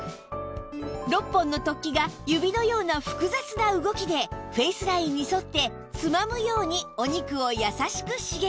６本の突起が指のような複雑な動きでフェイスラインに沿ってつまむようにお肉を優しく刺激